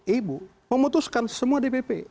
ibu memutuskan semua dpp